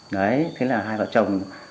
đấy thế là hai vợ chồng